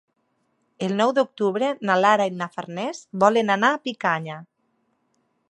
El nou d'octubre na Lara i na Farners volen anar a Picanya.